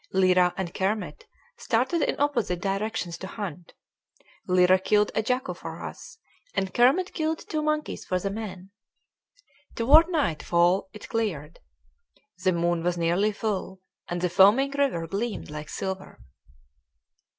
Lyra and Kermit started in opposite directions to hunt. Lyra killed a jacu for us, and Kermit killed two monkeys for the men. Toward night fall it cleared. The moon was nearly full, and the foaming river gleamed like silver.